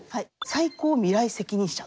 最高未来責任者？